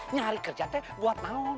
ngari kerja buat tahun